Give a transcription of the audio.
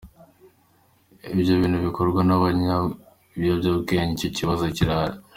Ibyo ibintu bikorwa n’abanywa ibiyobyabwenge, icyo kibazo kirahari.